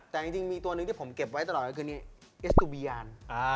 แต่จริงมีตัวนึงที่ผมเก็บไว้ตลอดที่กันเองเอสตูบิยาร